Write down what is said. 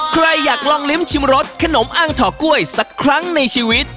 ใครอยากลองลิ้มชิมรสขนมอ้างถ่อกล้วยสักครั้งในชีวิต